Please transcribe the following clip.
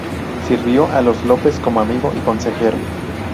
Sirvió a los López como amigo y consejero.